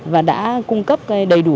và đã cung cấp đầy đủ